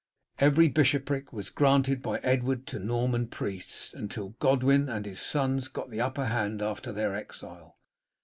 Every bishopric was granted by Edward to Norman priests, until Godwin and his sons got the upper hand after their exile.